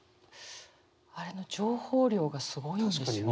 あれの情報量がすごいんですよ。